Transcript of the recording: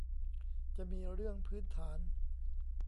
จะมีเรื่องพื้นฐาน